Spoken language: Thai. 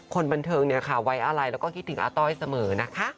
คนบันเทิงไว้อะไรแล้วก็คิดถึงอาต้อยเสมอนะคะ